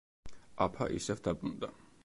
აფა ისევ დაბრუნდა.